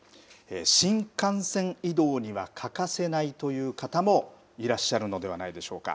新幹線移動には欠かせないという方もいらっしゃるのではないでしょうか。